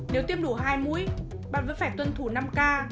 nếu tiêm đủ hai mũi bạn vẫn phải tuân thủ năm k